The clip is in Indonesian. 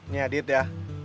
iya dit ya